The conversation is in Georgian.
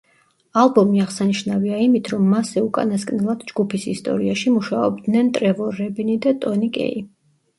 ალბომი აღსანიშნავია იმით, რომ მასზე უკანასკნელად ჯგუფის ისტორიაში მუშაობდნენ ტრევორ რებინი და ტონი კეი.